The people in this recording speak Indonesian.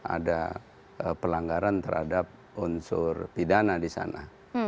ada pelanggaran terhadap unsur pidana di sana